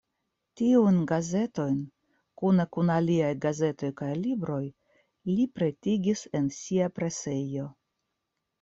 Tiujn gazetojn kune kun aliaj gazetoj kaj libroj li pretigis en sia presejo.